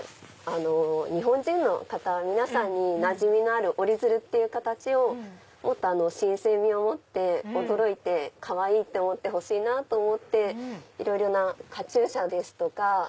日本人の方皆さんになじみのある折り鶴っていう形をもっと新鮮みを持って驚いてかわいいって思ってほしくていろいろなカチューシャですとか。